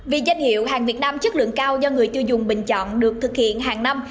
vì danh hiệu hàng việt nam chất lượng cao do người tiêu dùng bình chọn được thực hiện hàng năm